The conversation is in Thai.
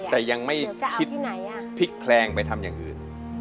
แต่ยังไม่คิดที่ไหนพลิกแคลงไปทำอย่างอื่น